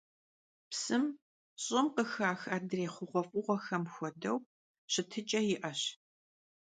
Psım, ş'ım khış'ax adrêy xhuğuef'ığuexemi xuedeu, şıtıç'e yi'eş.